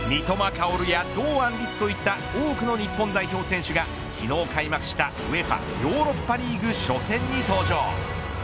薫や堂安律といった多くの日本代表選手が昨日開幕したＵＥＦＡヨーロッパリーグ初戦に登場。